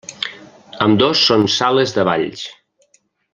Ambdós són sales de balls.